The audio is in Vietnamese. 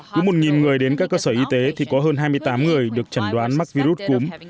cứ một người đến các cơ sở y tế thì có hơn hai mươi tám người được chẩn đoán mắc virus cúm